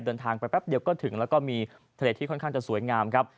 เดินทางไปแป๊บเดียวก็ถึงแล้วก็มีทะเลที่ค่อนข้างจะสวยงามครับ